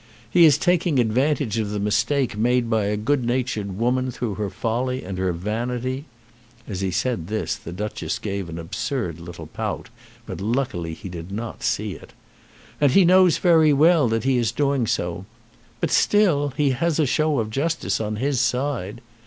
He is taking advantage of the mistake made by a good natured woman through her folly and her vanity;" as he said this the Duchess gave an absurd little pout, but luckily he did not see it, "and he knows very well that he is doing so. But still he has a show of justice on his side.